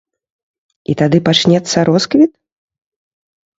І тады пачнецца росквіт?